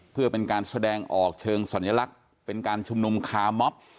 เพื่อเป็นการแสดงออกเชิงสัญลักษณ์เป็นการชุมนุมคาร์มอบ